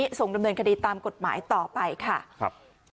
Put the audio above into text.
ที่จะส่งดำเนินคดีตามกฎหมายต่อไปค่ะ